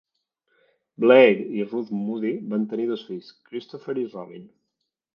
Blair i Ruth Moody van tenir dos fills, Christopher i Robin.